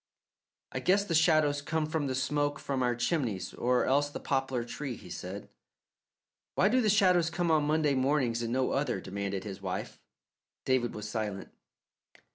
"I guess the shadows come from the smoke from our chimneys, or else the poplar tree," he said. "Why do the shadows come on Monday mornings, and no other?" demanded his wife. David was silent.